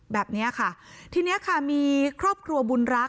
แบบนี้ค่ะทีนี้ค่ะมีครอบครัวบุญรักษ